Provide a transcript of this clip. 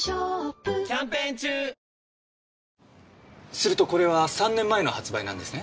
するとこれは３年前の発売なんですね？